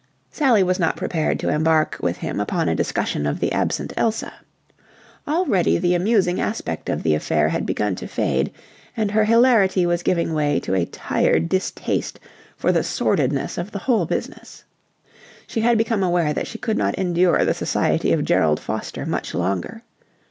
Sally was not prepared to embark with him upon a discussion of the absent Elsa. Already the amusing aspect of the affair had begun to fade, and her hilarity was giving way to a tired distaste for the sordidness of the whole business. She had become aware that she could not endure the society of Gerald Foster much longer.